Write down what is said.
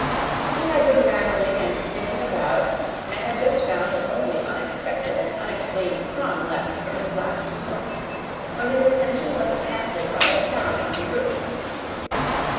He had been rambling and sniffing about, and had just found a totally unexpected and unexplained crumb left from his last meal, when his attention was attracted by a sound on the roof.